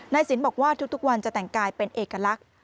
สินบอกว่าทุกวันจะแต่งกายเป็นเอกลักษณ์